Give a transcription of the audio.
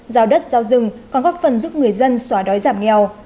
giao đất giao rừng còn góp phần giúp người dân xóa đói giảm nghèo